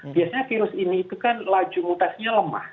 biasanya virus ini itu kan laju mutasinya lemah